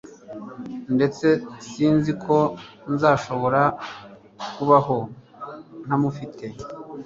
ndetse sinzi ko nzashobora kubaho ntamufite